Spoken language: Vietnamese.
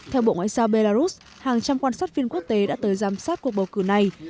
theo bộ ngoại giao belarus hàng trăm quan sát viên quốc tế đã tới giám sát cuộc bầu cử này